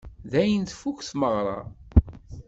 Dayen, tfukk tmeɣra.